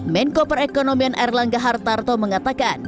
menko perekonomian erlangga hartarto mengatakan